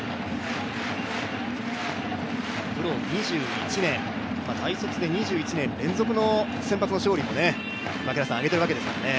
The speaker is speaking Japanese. プロ２１年、大卒で２１年連続の先発の勝利も挙げているんですけどね。